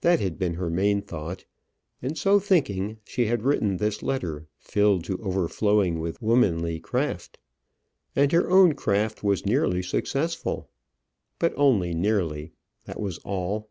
That had been her main thought, and so thinking, she had written this letter, filled to overflowing with womanly craft. And her craft was nearly successful; but only nearly; that was all.